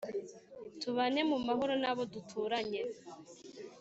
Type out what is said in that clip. tubane mumahoro nabo duturanye